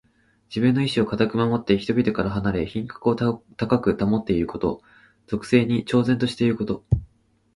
自分の意志をかたく守って、人々から離れ品格を高く保っていること。俗世に超然としていること。